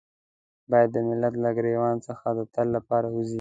بايد د ملت له ګرېوان څخه د تل لپاره ووځي.